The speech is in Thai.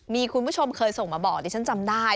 มีคุณผู้ชมเคยส่งมาบอกดิฉันจำได้